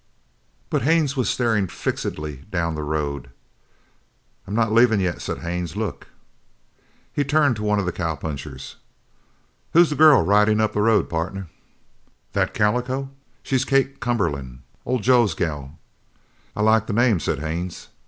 But Haines was staring fixedly down the road. "I'm not leaving yet," said Haines. "Look!" He turned to one of the cowpunchers. "Who's the girl riding up the road, pardner?" "That calico? She's Kate Cumberland old Joe's gal." "I like the name," said Haines.